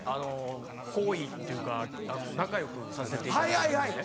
好意っていうか仲よくさせていただいてたんですね。